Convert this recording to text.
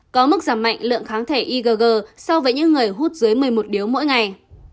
có mức giảm mạnh lượng kháng thể igg so với những người hút dưới một mươi một điếu mỗi ngày